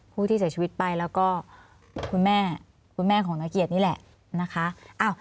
ผู้ที่เสียชีวิตไปแล้วก็คุณแม่คุณแม่ของนักเกียรตินี่แหละนะคะ